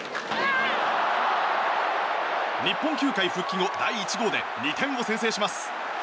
日本球界復帰後第１号で２点を先制します。